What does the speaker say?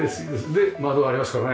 で窓ありますからね。